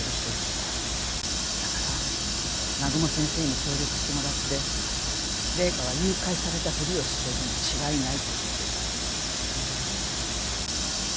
だから南雲先生に協力してもらって麗華は誘拐されたふりをしてるに違いない。